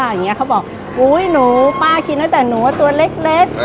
อย่างนี้เขาบอกอุ๊ยหนูป้าคิดตั้งแต่หนูว่าตัวเล็ก